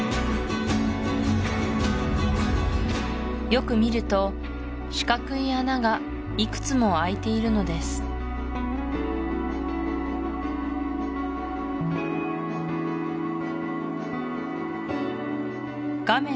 よく見ると四角い穴がいくつもあいているのです画面